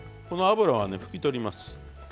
この脂はね拭き取ります。